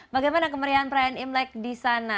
bagaimana kemerian perayaan imlek di sana